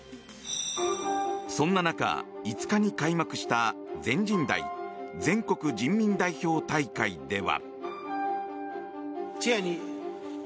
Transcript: そんな中、５日に開幕した全人代・全国人民代表大会では。